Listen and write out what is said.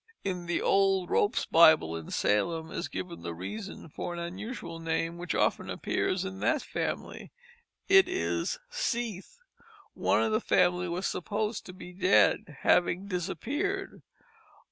In the old Ropes Bible in Salem is given the reason for an unusual name which often appears in that family; it is Seeth. One of the family was supposed to be dead, having disappeared.